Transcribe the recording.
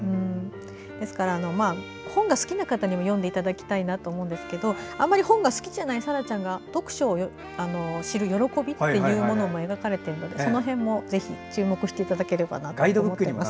ですから、本が好きな方にも読んでいただきたいと思うんですけどあまり本が好きじゃない沙羅ちゃんが読書を知る喜びというものも描かれているので、その辺も注目していただければと思います。